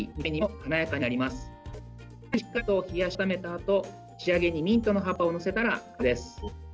さらにしっかりと冷やし固めたあと仕上げにミントの葉っぱを載せたら完成です。